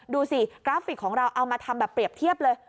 ดูสิกราฟิกของเราเอามาทำแบบเปรียบเทียบเลย